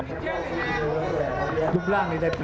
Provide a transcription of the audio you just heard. อัศวินาศาสตร์